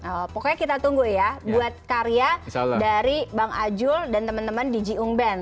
oh pokoknya kita tunggu ya buat karya dari bang ajul dan teman teman di jiung ben